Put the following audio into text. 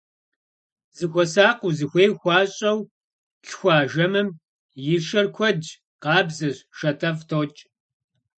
Зыхуэсакъыу, зыхуей хуащӀэу лъхуа жэмым и шэр куэдщ, къабзэщ, шатэфӀ токӀ.